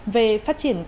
về phát triển cơ bản